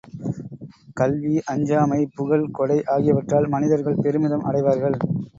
கல்வி, அஞ்சாமை, புகழ், கொடை ஆகியவற்றால் மனிதர்கள் பெருமிதம் அடைவார்கள்.